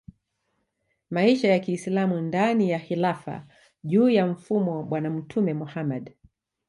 maisha ya Kiislamu ndani ya Khilafah juu ya mfumo wa bwana Mtume Muhammad